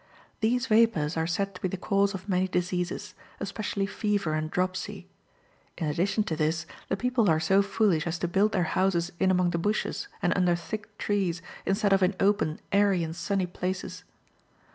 These vapours are said to be the cause of many diseases, especially fever and dropsy. In addition to this, the people are so foolish as to build their houses in among the bushes and under thick trees, instead of in open, airy, and sunny places.